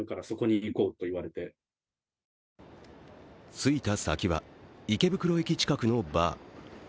着いた先は池袋駅近くのバー。